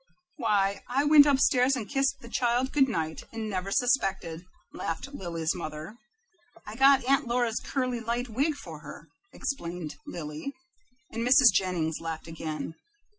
"Why, I went up stairs and kissed the child good night, and never suspected," laughed Lily's mother. "I got Aunt Laura's curly, light wig for her," explained Lily, and Mrs. Jennings laughed again.